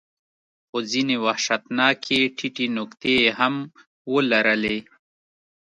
خو ځینې وحشتناکې ټیټې نقطې یې هم ولرلې.